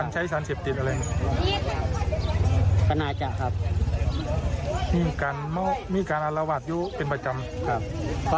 ใช้สารเสพติดอะไรครับมีการอารวาสอยู่เป็นประจำครับ